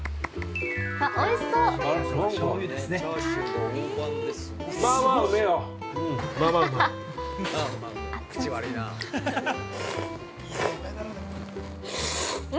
◆おいしそう。